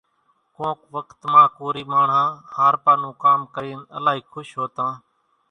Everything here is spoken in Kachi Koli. ڪونڪ وکت مان ڪورِي ماڻۿان هارپا نون ڪام ڪرينَ الائِي کُش هوتان۔